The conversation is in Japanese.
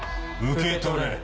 受け取れ。